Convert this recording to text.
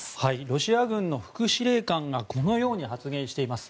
ロシア軍の副司令官がこのように発言しています。